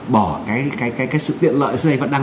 bỏ cái sự tiện lợi